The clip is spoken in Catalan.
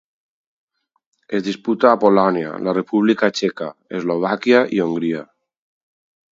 Es disputa a Polònia, la República Txeca, Eslovàquia i Hongria.